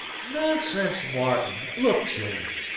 "Nonsense, Martin! Look, children!